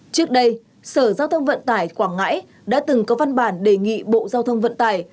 trước đây sở giao thông vận tải quảng ngãi đã từng có văn bản đề nghị bộ giao thông vận tải